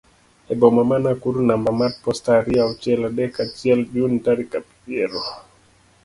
e boma ma Nakuru namba mar posta ariyo auchiel adek achiel Jun tarik piero